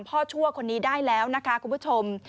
ชั่วคนนี้ได้แล้วนะคะคุณผู้ชม